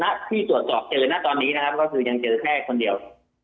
นักที่ตรวจสอบเจอเลยนักตอนนี้ก็คือยังเจอแค่คนเดียว